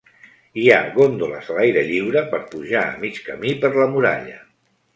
Hi ha góndoles a l'aire lliure per pujar a mig camí per la muralla.